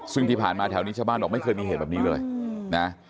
ซึ่งที่ผ่านมาแถวนี้ชาวบ้านบอกไม่เคยมีเหตุแบบนี้เลยนะ